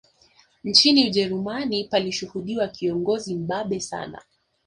Nchini Ujerumani palishuhudiwa kiongozi mbabe sana